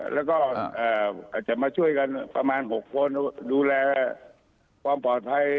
แล้วก็อาจจะมาช่วยกันประมาณ๖คนดูแลความปลอดภัย